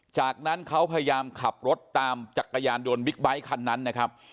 จากนั้นเขาพยายามขับรถตามจักรยานยนต์บิ๊กไบท์คันนั้นนะครับ